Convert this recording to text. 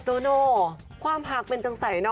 ตัวหนูความหักเป็นจังใสนะ